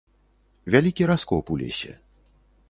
Вялікі раскоп у лесе.